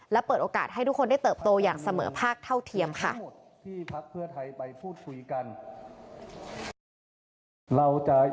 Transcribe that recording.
และเปิดโอกาสให้ทุกคนได้เติบโตอย่างเสมอภาคเท่าเทียมค่ะ